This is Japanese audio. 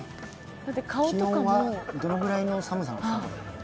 気温はどのくらいの寒さなんですか？